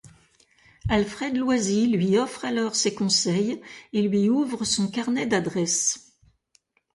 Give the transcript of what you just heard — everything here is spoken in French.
Alfred Loisy lui offre alors ses conseils et lui ouvre son carnet d'adresses.